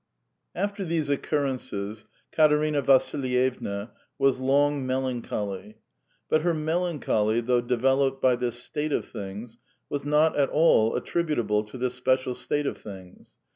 After these occurrences, Katerina Vasilyevna was long md . ancholy ; but her melancholy, though developed by this state of things, was not at all attributable to this special state of things.